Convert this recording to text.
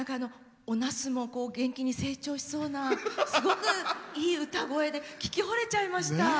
おナスも元気に成長しそうなすごく元気な歌声で聴きほれちゃいました。